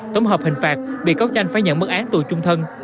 tổng hợp hình phạt bị cáo tranh phải nhận mất án tù trung thân